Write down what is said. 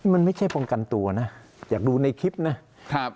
มันไม่ใช่ป้องกันตัวนะอยากดูในคลิปนะครับ